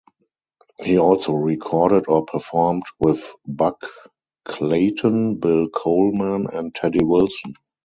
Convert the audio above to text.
He also recorded or performed with Buck Clayton, Bill Coleman and Teddy Wilson.